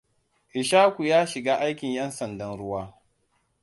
Ishaku ya shiga aikin ƴan sandan ruwa.